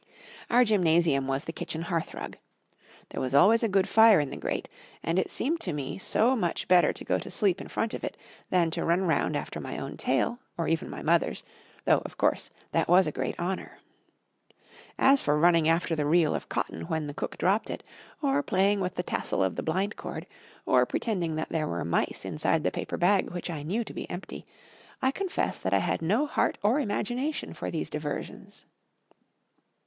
Our gymnasium was the kitchen hearth rug. There was always a good fire in the grate, and it seemed to me so much better to go to sleep in front of it than to run round after my own tail, or even my mother's, though, of course, that was a great honour. As for running after the reel of cotton when the cook dropped it, or playing with the tassel of the blind cord, or pretending that there were mice inside the paper bag which I knew to be empty, I confess that I had no heart or imagination for these diversions.